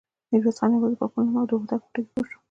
ميرويس خان يواځې په خپل نوم او د هوتکو په ټکي پوه شو.